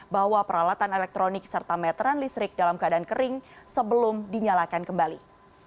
bahwa peralatan elektronik serta meteran listrik dalam keadaan kering sebelum dinyalakan kembali